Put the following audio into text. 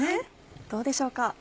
どうでしょうか。